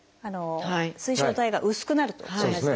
水晶体が薄くなるのと同じですね。